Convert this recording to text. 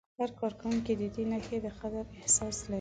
هر کارکوونکی د دې نښې د قدر احساس لري.